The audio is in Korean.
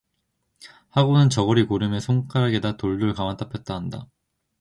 하고는 저고리 고름을 손가락에다 돌돌 감았다 폈다 한다.